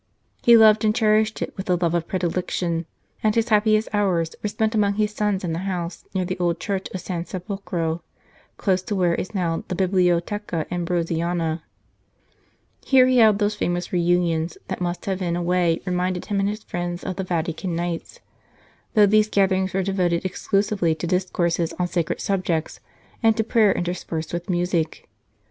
He loved and cherished it with the love of predilection, and his happiest hours were spent among his sons in the house near the old Church of San Sepolcro, close to where is now the Biblioteca Ambrosiana. 173 St. Charles Borromeo Here he held those famous reunions that must have in a way reminded him and his friends of the Vatican Nights, though these gatherings were devoted exclusively to discourses on sacred sub jects, and to prayer interspersed with music.